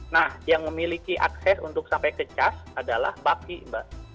nah yang memiliki akses untuk sampai ke cas adalah baki mbak